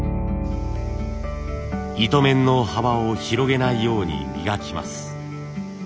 糸面の幅を広げないように磨きます。